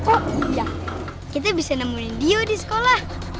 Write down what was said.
oh iya kita bisa nemuin dio di sekolah